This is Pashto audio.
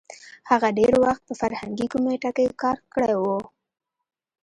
هغه ډېر وخت په فرهنګي کمېټه کې کار کړی وو.